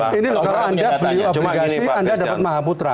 kalau beli obligasi anda dapat mahabutra